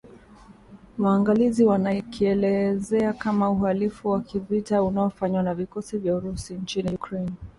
waangalizi wanakielezea kama uhalifu wa kivita unaofanywa na vikosi vya Urusi nchini Ukraine